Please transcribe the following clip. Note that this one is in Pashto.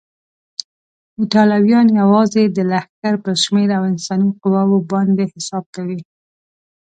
ایټالویان یوازې د لښکر پر شمېر او انساني قواوو باندې حساب کوي.